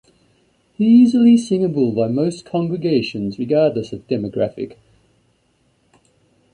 Easily singable by most congregations regardless of demographic.